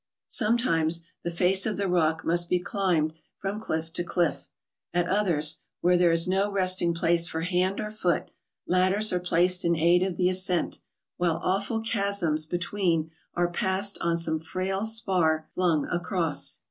Sometimes the face of the rock must be climbed from cliff to cliff; at others, where there is no resting place for hand or foot, ladders are placed in aid of the ascent; while awful chasms be¬ tween are passed on some frail spar flung across.